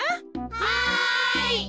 はい。